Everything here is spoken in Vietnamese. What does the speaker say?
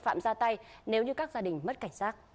phạm ra tay nếu như các gia đình mất cảnh giác